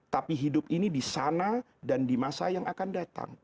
tapi hidup ini di sana dan di masa yang akan datang